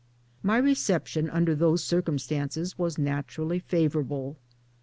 1 My reception under those circumstances was naturally favorable.